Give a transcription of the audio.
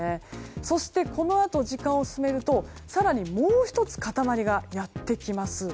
そしてこのあと時間を進めると更にもう１つ塊がやってきます。